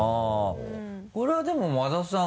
これはでも馬田さん